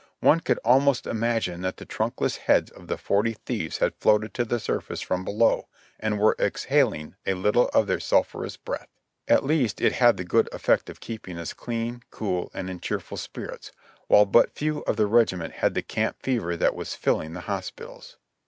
One could almost imagine that the trunkless heads of the Forty Thieves had floated to the surface from below, and were exhaling a little of their sulphurous breath. At least it had the good effect of keeping us clean, cool and in cheerful spirits, while but few of the regiment had the camp fever that was filling the hospitals.